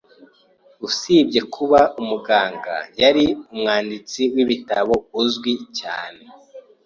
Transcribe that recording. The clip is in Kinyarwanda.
Usibye kuba umuganga, yari umwanditsi w'ibitabo uzwi cyane.